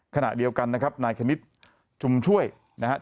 ขณะเดียวกันนะครับนายคณิตชุมช่วยนะครับ